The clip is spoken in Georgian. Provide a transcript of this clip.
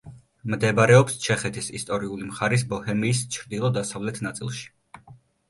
მდებარეობს ჩეხეთის ისტორიული მხარის ბოჰემიის ჩრდილო-დასავლეთ ნაწილში.